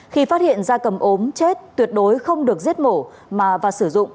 khi phát hiện gia cầm ốm chết tuyệt đối không được giết mổ và sử dụng